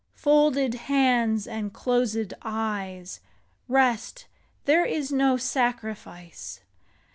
Folded hands and closed eyes. Rest ! there is no sacrifice.